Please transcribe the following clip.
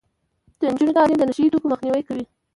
د نجونو تعلیم د نشه يي توکو مخنیوی کوي.